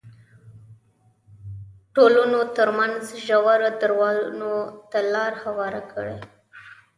ټولنو ترمنځ ژورو درزونو ته لار هواره کړې وای.